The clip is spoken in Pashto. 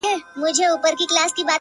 چي په لاسونو كي رڼا وړي څوك،